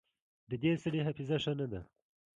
د دې سړي حافظه ښه نه ده